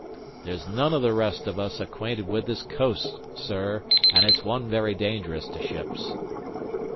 There's none of the rest of us acquaint with this coast, sir; and it's one very dangerous to ships."